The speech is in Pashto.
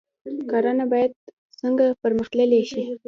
کرنه باید څنګه پرمختللې شي؟